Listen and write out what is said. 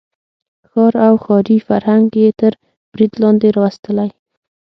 ښار او ښاري فرهنګ یې تر برید لاندې راوستلی.